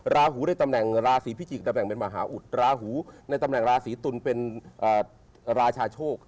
ราหูในตำแหน่งราศีพิจิกตำแหน่งเป็นมหาอุดราหูในตำแหน่งราศีตุลเป็นราชาโชค